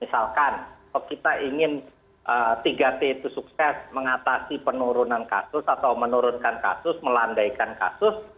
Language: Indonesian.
misalkan kita ingin tiga t itu sukses mengatasi penurunan kasus atau menurunkan kasus melandaikan kasus